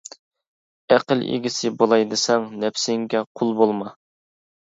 ئەقىل ئىگىسى بولاي دېسەڭ نەپسىڭگە قۇل بولما.